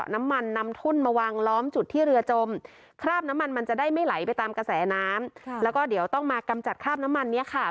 น้ำมันมันจะได้ไม่ไหลไปตามกระแสน้ำค่ะแล้วก็เดี๋ยวต้องมากำจัดคราบน้ำมันเนี้ยค่ะ